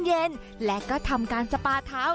แชร์น้ำเย็นและทำการสปาเท้า